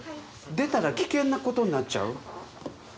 出たら危険なことになっちゃう？